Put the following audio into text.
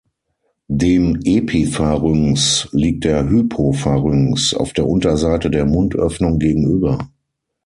Dem Epipharynx liegt der Hypopharynx auf der Unterseite der Mundöffnung gegenüber.